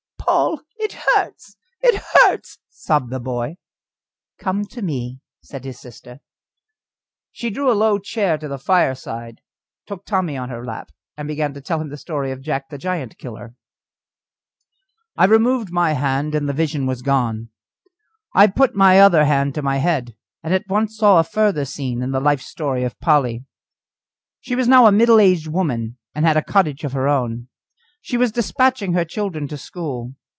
"Poll! it hurts! it hurts!" sobbed the boy. "Come to me," said his sister. She drew a low chair to the fireside, took Tommy on her lap, and began to tell him the story of Jack the Giant killer. I removed my hand, and the vision was gone. I put my other hand to my head, and at once saw a further scene in the life story of Polly. She was now a middle aged woman, and had a cottage of her own. She was despatching her children to school.